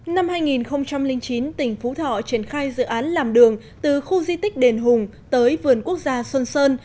năm hai nghìn chín tỉnh phú thọ triển khai dự án làm đường từ khu di tích đền hùng tới vườn quốc gia xuân sơn